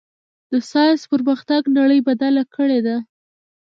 د ساینس پرمختګ نړۍ بدله کړې ده.